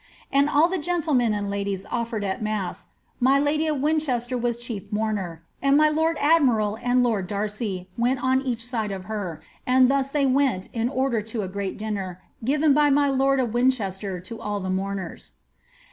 And ail the gentlemen and ladies offered at mass, my lady of Winchester was chief mourner, and my lord admiral and lord Ihrcj went on each side of her, and thus they went in order to a great dinner, given by my lord of Winchester to all the mourners."